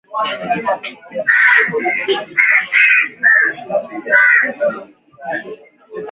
Muongozo wa kufuata kutengeneza viazi lishe